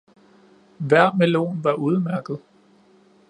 Hver melon var udmærket